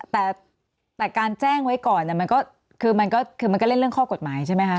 แต่การแจ้งไว้ก่อนมันก็เล่นเรื่องข้อกฎหมายใช่ไหมคะ